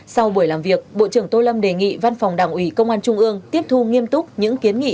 sau buổi làm việc bộ trưởng tô lâm đề nghị văn phòng đảng ủy công an trung ương tiếp thu nghiêm túc những kiến nghị